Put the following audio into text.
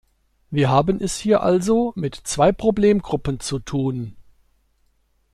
Wir haben es hier also mit zwei Problemgruppen zu tun.